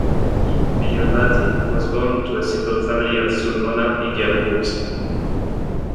Migliorati was born to a simple family of Sulmona in the Abruzzi.